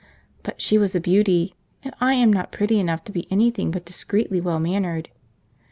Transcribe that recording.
but she was a beauty, and I am not pretty enough to be anything but discreetly well mannered.